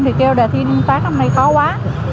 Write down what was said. thì kêu đề thi toán hôm nay khó quá